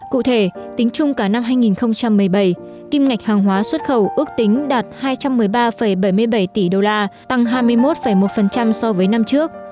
cụ thể tính chung cả năm hai nghìn một mươi bảy kim ngạch hàng hóa xuất khẩu ước tính đạt hai trăm một mươi ba bảy mươi bảy tỷ đô la tăng hai mươi một một so với năm trước